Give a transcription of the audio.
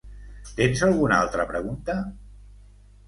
Tens alguna altra pregunta?